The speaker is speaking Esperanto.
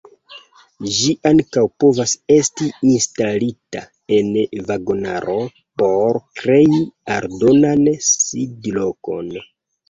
Ĝi ankaŭ povas esti instalita en vagonaro por krei aldonan sidlokon.